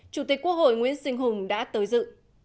chủ tịch quốc hội nguyễn sinh hùng đã tới dự